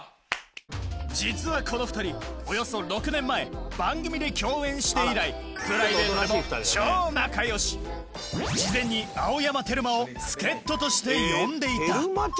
実はこの２人およそ６年前番組で共演して以来プライベートでも超仲良し事前に青山テルマをあっ。